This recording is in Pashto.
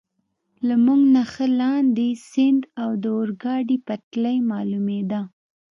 له موږ نه ښه لاندې، سیند او د اورګاډي پټلۍ معلومېده.